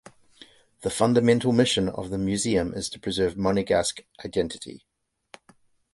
The fundamental mission of the museum is to preserve Monegasque identity.